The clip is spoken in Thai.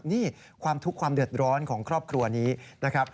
นี่ความทุกข์ความเดือดร้อนของครอบครัวนี้นะครับ